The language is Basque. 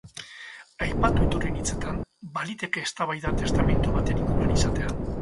Aipatu iturrien hitzetan, baliteke eztabaida testamentu baten ingurua izatea.